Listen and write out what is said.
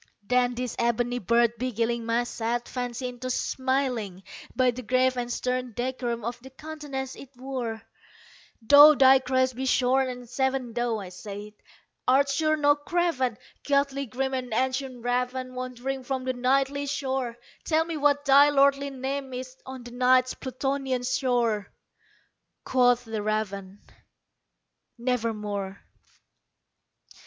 Then this ebony bird beguiling my sad fancy into smiling, By the grave and stern decorum of the countenance it wore, "Though thy crest be shorn and shaven, thou," I said, "art sure no craven. Ghastly grim and ancient raven wandering from the Nightly shore Tell me what thy lordly name is on the Night's Plutonian shore!" Quoth the raven, "Nevermore."